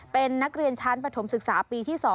เป็นนักเรียนชั้นประถมศึกษาปีที่๒